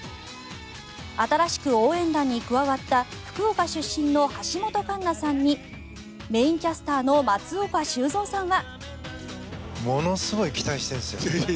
新しく応援団に加わった福岡出身の橋本環奈さんにメインキャスターの松岡修造さんは。